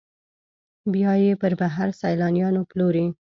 بیا یې پر بهر سیلانیانو پلوري.